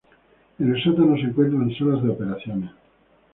En el sótano se encuentran salas de operaciones.